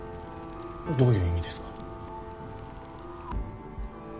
どういう意味ですか？